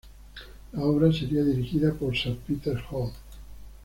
La obra sería dirigida por sir Peter Hall.